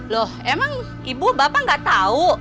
loh emang ibu bapak nggak tahu